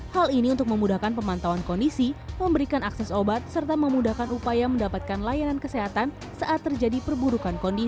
hal ini untuk memudahkan pemantauan kondisi memberikan akses obat serta memudahkan upaya mendapatkan layanan kesehatan saat terjadi perburukan kondisi